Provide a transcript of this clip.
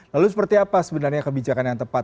lalu seperti apa sebenarnya kebijakan yang tepat